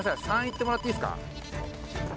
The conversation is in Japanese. ３行ってもらっていいっすか？